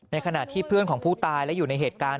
ขณะที่เพื่อนของผู้ตายและอยู่ในเหตุการณ์